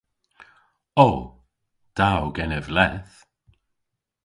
O. Da o genev leth.